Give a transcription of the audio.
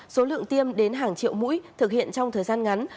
số lượng tiêm đến hàng triệu mũi thực hiện trong thời gian ngắn